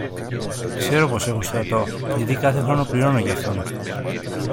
Ξέρω πως έχω στρατό, γιατί κάθε χρόνο πληρώνω γι' αυτόν.